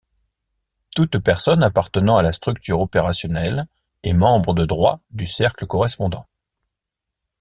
Toute personne appartenant à la structure opérationnelle est membre de droit du cercle correspondant.